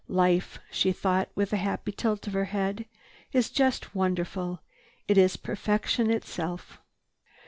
"Life," she thought with a happy tilt of her head, "is just wonderful! It is perfection itself."